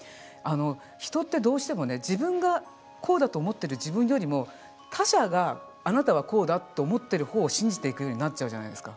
人ってどうしても自分がこうだと思っている自分よりも他者があなたはこうだと思っているほうを信じていくようになっちゃうじゃないですか。